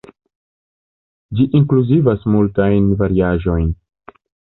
Ĝi inkluzivas multajn variaĵojn.